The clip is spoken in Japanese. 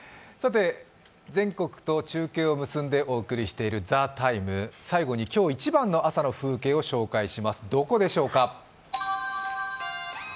全国と中継を結んでお送りしている「ＴＨＥＴＩＭＥ，」、最後に今日一番の風景を紹介します、どこでしょうか。